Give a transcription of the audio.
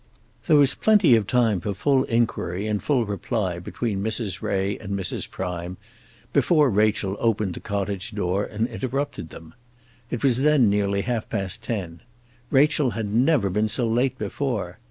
There was plenty of time for full inquiry and full reply between Mrs. Ray and Mrs. Prime before Rachel opened the cottage door, and interrupted them. It was then nearly half past ten. Rachel had never been so late before.